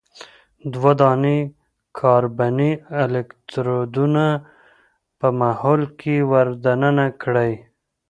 دوه دانې کاربني الکترودونه په محلول کې ور د ننه کړئ.